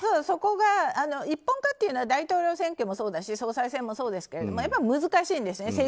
そこが一本化っていうのは大統領選挙もそうだし総裁選もそうですけどやっぱり難しいんですね。